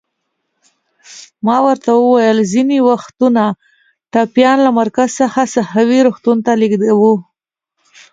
ما ورته وویل: ځینې وختونه ټپیان له مرکز څخه ساحوي روغتون ته لېږدوو.